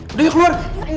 ini dewa musyarakat